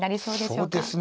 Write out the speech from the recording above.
そうですね。